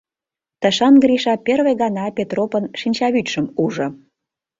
Тышан Гриша первый гана Петропын шинчавӱдшым ужо.